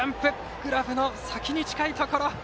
グラブの先に近いところ。